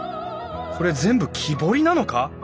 これ全部木彫りなのか！？